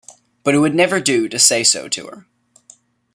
But it would never do to say so to her.